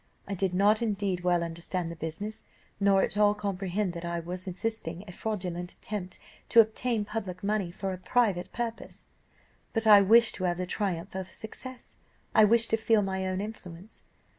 I did not indeed well understand the business, nor at all comprehend that I was assisting a fraudulent attempt to obtain public money for a private purpose, but I wished to have the triumph of success, I wished to feel my own influence.